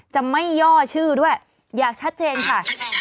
จะไม่ย่อชื่อด้วยอยากชัดเจนค่ะ